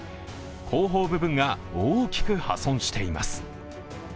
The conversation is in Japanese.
後方部分が大きく破損しています。